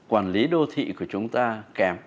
làm lý đô thị của chúng ta kém